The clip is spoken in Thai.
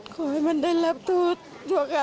ขอให้มันได้รับโทษเดียวกัน